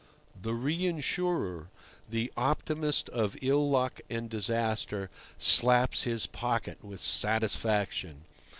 The reinsurer, the optimist of ill luck and disaster, slaps his pocket with satisfaction.